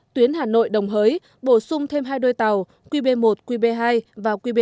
tuyến hà nội đồng hới bổ sung thêm hai đôi tàu qb một qb hai và qb